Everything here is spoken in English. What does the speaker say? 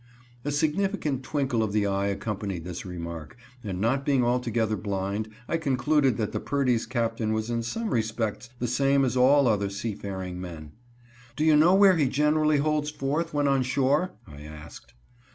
A significant twinkle of the eye accompanied this remark, and not being altogether blind, I concluded that the Perdy's captain was in some respects the same as all other sea faring men. "Do you know where he generally holds forth when on shore?" I asked.